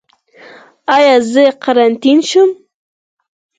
ایا زه قرنطین شم؟